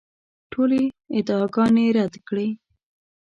ټولې ادعاګانې رد کړې.